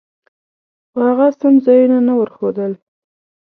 خو هغه سم ځایونه نه ورښودل.